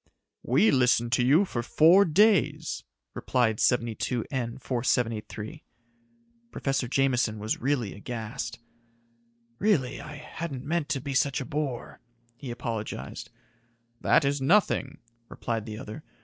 "We listened to you for four days," replied 72N 4783. Professor Jameson was really aghast. "Really, I hadn't meant to be such a bore," he apologized. "That is nothing," replied the other.